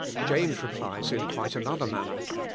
" James replies in quite another manner.